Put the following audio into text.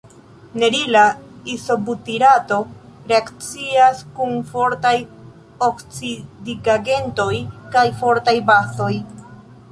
Nerila izobutirato reakcias kun fortaj oksidigagentoj kaj fortaj bazoj.